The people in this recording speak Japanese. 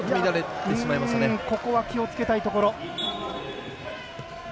ここは気をつけたいところ。